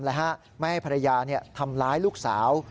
และไม่ให้ภรรยาทำร้ายลูกสาว